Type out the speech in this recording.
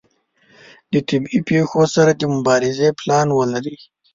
د طبیعي پیښو سره د مبارزې پلان ولري.